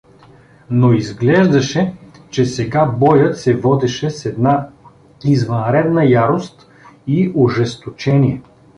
Но изглеждаше, че сега боят се водеше с една извънредна ярост и ожесточение.